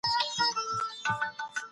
ایا نوي کروندګر وچ توت اخلي؟